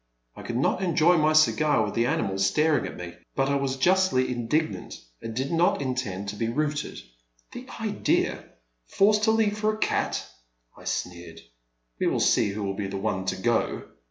I could not enjoy my cigar with the animal staring at me, but I was justly indignant, and I did not intend to be routed. The idea ! forced to leave for a cat !" I sneered, we will see who will be the one to go